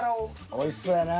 おいしそうやな。